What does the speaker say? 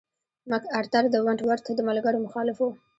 مک ارتر د ونټ ورت د ملګرو مخالف و.